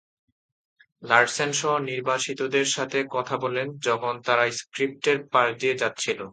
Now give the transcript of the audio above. Larsen সহ নির্বাসিতদের সাথে কথা বলেন যখন তারা স্ক্রিপ্টের পাশ দিয়ে যাচ্ছিল।